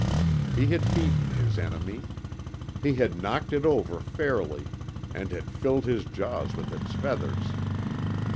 He had beaten his enemy. He had knocked it over fairly, and had filled his jaws with its feathers.